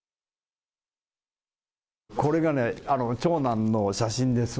これがね、長男の写真です。